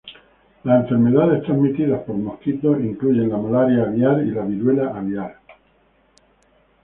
Las enfermedades transmitidas por mosquitos incluye la malaria aviar y la viruela aviar.